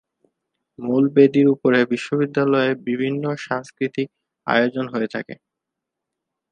মূল বেদির উপরে বিশ্ববিদ্যালয়ের বিভিন্ন সাংস্কৃতিক আয়োজন হয়ে থাকে।